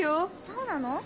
そうなの？